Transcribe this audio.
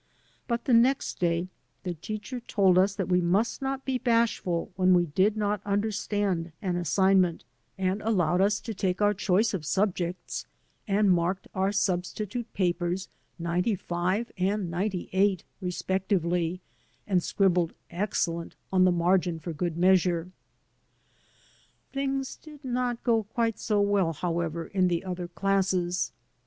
But the next day the teacher told us that we must not be bashful when we did not under stand an assignment and allowed us to take our choice 182 THE TRIALS OF SCHOLARSHIP of subjects and marked our substitute papers ninety five and ninety eight, respectively, and scribbled "excellent" on the margin for good measure. Things did not go quite so well, however, in the other classes.